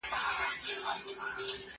که باران وشي، زه به پاتې شم؟